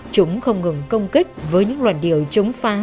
chúng không ngừng công kích với những luận điều chống phá